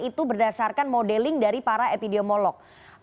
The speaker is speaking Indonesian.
itu berdasarkan modeling dari para epidemiolog